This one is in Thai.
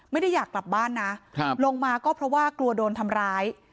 ไม่ได้อยากกลับบ้านนะลงมาก็เพราะว่ากลัวโดนทำร้าย